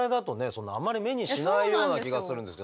そんなあんまり目にしないような気がするんですけど。